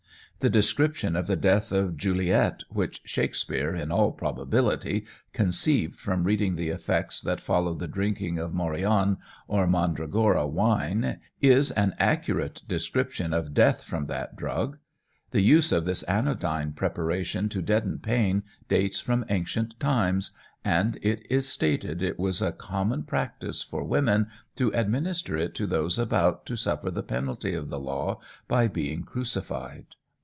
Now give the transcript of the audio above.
The description of the death of Juliet, which Shakespeare, in all probability, conceived from reading the effects that followed the drinking of morion or mandragora wine, is an accurate description of death from that drug. The use of this anodyne preparation to deaden pain dates from ancient times, and it is stated it was a common practice for women to administer it to those about to suffer the penalty of the law by being crucified.